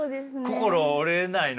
心折れないの？